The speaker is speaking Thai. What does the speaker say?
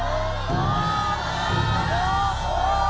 ถูก